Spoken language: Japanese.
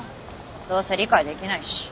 どうせ理解できないし。